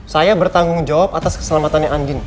saya bertanggung jawab atas keselamatannya andin